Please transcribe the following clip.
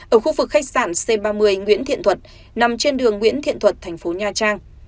ở khu vực khách sạn c ba mươi nguyễn thiện thuật nằm trên đường nguyễn thiện thuật thành phố nha trang